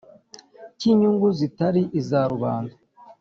cy'inyungu zitari iza rubanda.